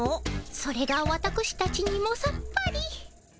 それがわたくしたちにもさっぱり。